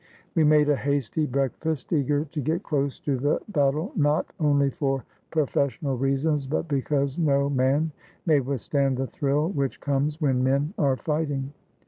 We made a hasty breakfast, eager to get close to the bat 445 THE BALKAN STATES tie, not only for professional reasons, but because no man may withstand the thrill which comes when men are fighting.